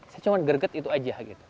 saya cuma gerget itu aja gitu